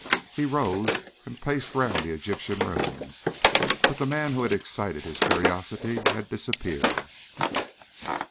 He rose and paced round the Egyptian rooms, but the man who had excited his curiosity had disappeared.